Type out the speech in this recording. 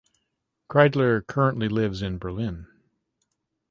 Kreidler currently lives in Berlin.